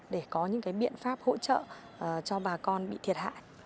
để có những biện pháp hỗ trợ cho bà con bị thiệt hại